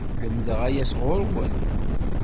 Lemdeɣ aya sɣur-wen!